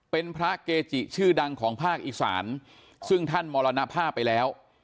เป็นพระเกจิชื่อดังของภาคอีสานซึ่งท่านมรณภาพไปแล้ว